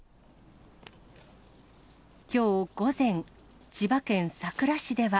きょう午前、千葉県佐倉市では。